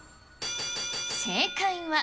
正解は。